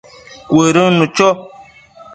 Cuëdënnu cho